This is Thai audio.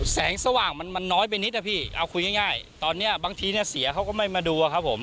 แสงสว่างมันมันน้อยไปนิดนะพี่เอาคุยง่ายตอนนี้บางทีเนี่ยเสียเขาก็ไม่มาดูอะครับผม